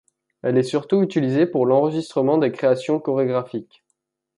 Elle est surtout utilisée pour l'enregistrement des créations chorégraphiques.